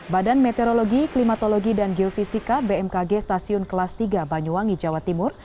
badan meteorologi klimatologi dan geofisika bmkg stasiun kelas tiga banyuwangi jawa timur